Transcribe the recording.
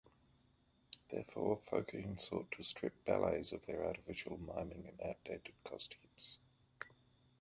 Therefore, Fokine sought to strip ballets of their artificial miming and outdated costumes.